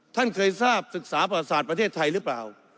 ท่านเคยทราบศึกษาประวัติศาสตร์ประเทศไทยหรือเปล่า